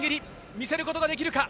見せることができるか。